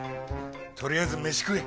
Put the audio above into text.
取りあえず飯食え。